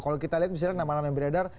kalau kita lihat misalnya nama nama yang beredar